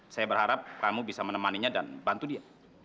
saya berharap kamu bisa menemani dia dan bantu dia